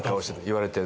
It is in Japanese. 言われて。